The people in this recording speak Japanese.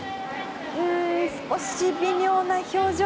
少し微妙な表情。